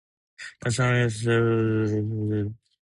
Eastern itself would go out of business just four years later.